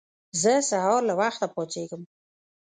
زه سهار له وخته پاڅيږم.